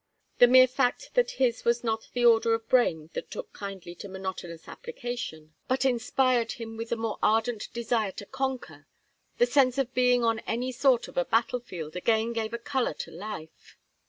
The mere fact that his was not the order of brain that took kindly to monotonous application, but inspired him with the more ardent desire to conquer; the sense of being on any sort of a battle field again gave a color to life.